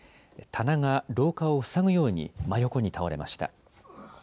棚が廊下を塞ぐように真横に倒れました。